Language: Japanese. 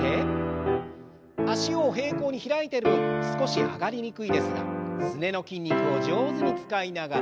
脚を平行に開いてる分少し上がりにくいですがすねの筋肉を上手に使いながら。